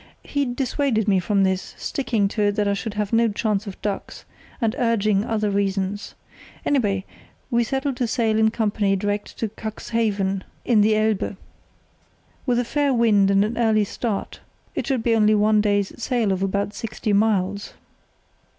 He dissuaded me from this, sticking to it that I should have no chance of ducks, and urging other reasons. Anyway, we settled to sail in company direct to Cuxhaven, in the Elbe. With a fair wind and an early start it should be only one day's sail of about sixty miles.